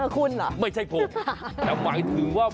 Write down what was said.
คุณเหรอไม่ใช่ผมแต่หมายถึงว่า